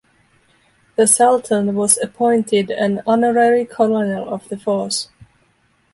The Sultan was appointed an Honorary Colonel of the force.